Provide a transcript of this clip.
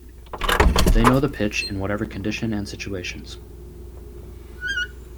They know the pitch in whatever condition and situations.